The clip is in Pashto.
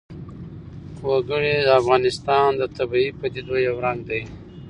وګړي د افغانستان د طبیعي پدیدو یو رنګ دی.